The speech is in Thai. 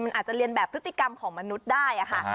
มันอาจจะเรียนแบบพฤติกรรมของมนุษย์ได้ค่ะ